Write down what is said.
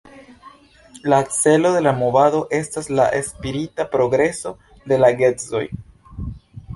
La celo de la movado estas la spirita progreso de la geedzoj.